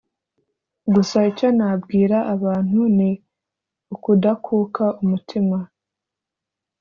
Gusa icyo nabwira abantu ni ukudakuka umutima